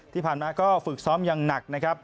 ที่ผ่านมาก็ฝึกซ้อมอย่างหนักนะครับ